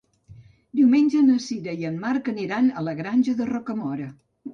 Diumenge na Sira i en Marc aniran a la Granja de Rocamora.